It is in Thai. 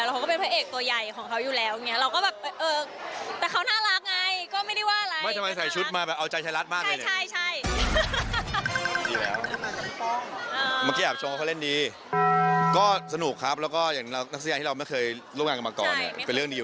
และคุณอื่นที่ร่วมงานอย่างพี่ป้องเนี่ยเราเจอครั้งแรกเขาก็เล่นเก่งคงอยู่แล้วทำคงมากสิน้ากาโลกของเขาก็เป็นผู้ดี